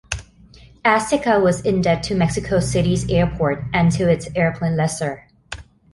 Azteca was in debt to Mexico City's airport and to its airplane lessor.